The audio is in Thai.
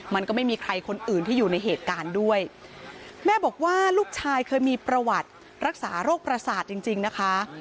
มันก็ไม่มีใครคนอื่นที่อยู่ในเหตุการณ์ด้วยแม่บอกว่าลูกชายเคยมีประวัติรักษาโรคประสาทจริงจริงนะคะ